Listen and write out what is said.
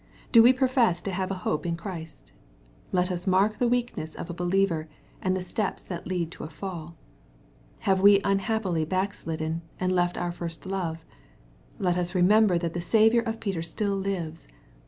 Do we profess to have a hope in Christ ? Let us mark the weakness of a believer, and the steps that lead to a fall. — Have we unhappily backslidden, and left our first love ? Let us remember that the Saviour of Peter still lives.